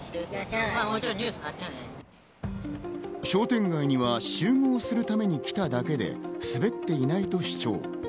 商店街には集合するために来ただけで滑っていないと主張。